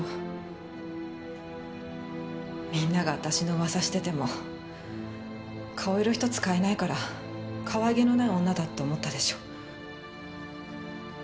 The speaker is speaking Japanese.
みんなが私のウワサしてても顔色ひとつ変えないからかわいげのない女だって思ったでしょ